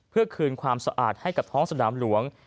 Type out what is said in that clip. เพื่อคืนความสะอาดให้กับท้องสนามหลวง